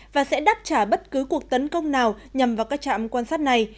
và sẽ đáp trả bất cứ cuộc tấn công nào nhằm vào các trạm quan sát này